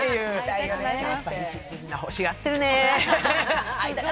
みんな欲しがってるね。